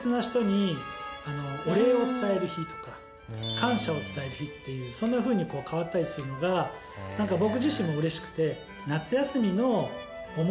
感謝を伝える日っていうそんなふうに変わったりするのが僕自身もうれしくて。